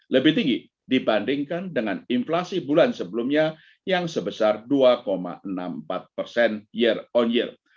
lebih tinggi dibandingkan dengan inflasi bulan sebelumnya yang sebesar dua enam puluh empat persen year on year